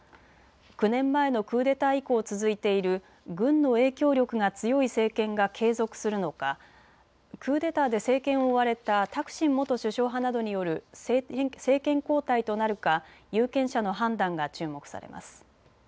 ９年前のクーデター以降続いている軍の影響力が強い政権が継続するのか、クーデターで政権を追われたタクシン元首相派などによる政権交代となるか有権者の判断が注目されます。